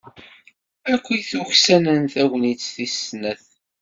Akkit uksanen tagnit tis snat.